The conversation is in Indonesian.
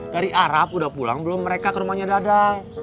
dari arab udah pulang belum mereka kerumahnya dadang